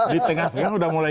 di tengah tengah udah mulai